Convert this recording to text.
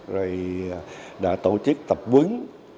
rồi đã tổ chức tập quấn